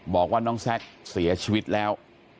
บอกว่าน้องแซ็กเสียชีวิตแล้ว